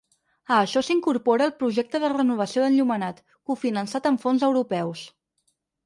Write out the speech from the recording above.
A això s’incorpora el projecte de renovació d’enllumenat, cofinançat amb fons europeus.